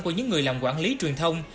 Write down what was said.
của những người làm quản lý truyền thông